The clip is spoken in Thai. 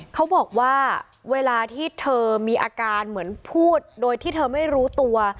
เขาบอกว่าเวลาที่เธอมีอาการเหมือนพูดโดยที่เธอไม่รู้ตัว